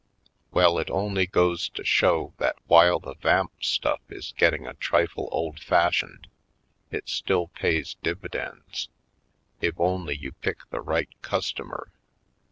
Well, it only goes to show that while the vamp stufif is getting a trifle old fashioned it still pays dividends — if only you pick the right customer."